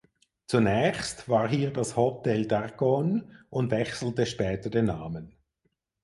Zunächst war hier das "Hotel d‘Arcone" und wechselte später den Namen.